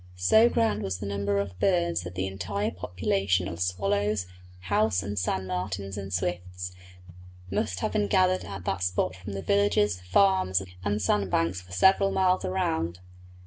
So great was the number of birds that the entire population of swallows, house and sand martins, and swifts, must have been gathered at that spot from the villages, farms, and sand banks for several miles around.